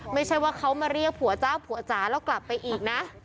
ไม่ใช่ว่าเขามาเรียกผัวเจ้าผัวจ๋าแล้วกลับไปอีกนะ